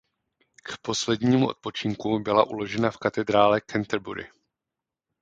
K poslednímu odpočinku byla uložena v katedrále v Canterbury.